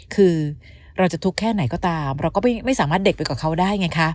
คือเราจะทุกข์แค่ไหนก็ตามเราก็ไม่สามารถเด็กไปกับเขาได้ไงคะ